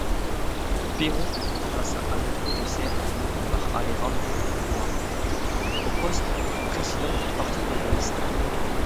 Perón remplaça Alberto Teisaire par Alejandro Leloir au poste de président du Parti péroniste.